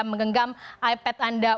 menggenggam ipad anda untuk berselamat